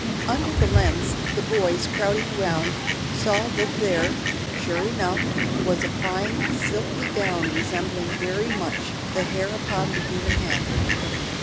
Under the lens the boys, crowding around, saw that there, sure enough, was a fine silky down resembling very much the hair upon the human head.